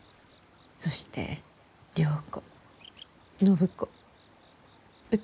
そして良子暢子歌子。